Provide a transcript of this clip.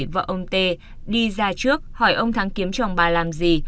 vợ ông tê đi ra trước hỏi ông thắng kiếm chồng bà làm gì